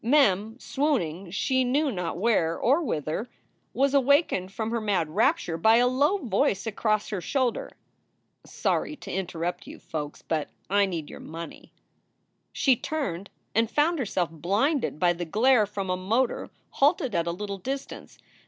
Mem, swooning she knew not where or whither, was SOULS FOR SALE 283 awakened from her mad rapture by a low voice across her shoulder. "Sorry to interrupt you, folks, but I need your money. " She turned and found herself blinded by the glare from a motor halted at a little distance.